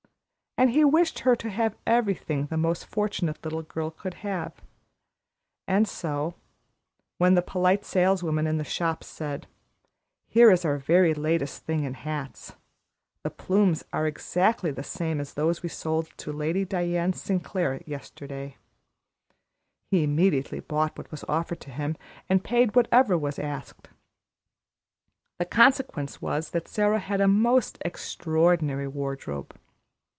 And he wished her to have everything the most fortunate little girl could have; and so, when the polite saleswomen in the shops said, "Here is our very latest thing in hats, the plumes are exactly the same as those we sold to Lady Diana Sinclair yesterday," he immediately bought what was offered to him, and paid whatever was asked. The consequence was that Sara had a most extraordinary wardrobe.